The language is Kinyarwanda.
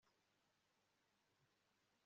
Gutekereza kwicara ibigeragezo nkibi